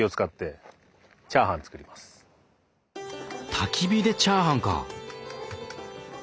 たき火でチャーハンか！